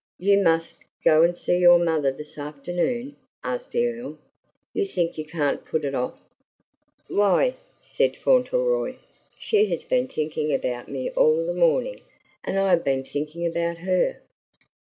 "You MUST go and see your mother this afternoon?" asked the Earl. "You think you can't put it off?" "Why," said Fauntleroy, "she has been thinking about me all the morning, and I have been thinking about her!"